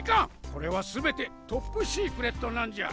これはすべてトップシークレットなんじゃ。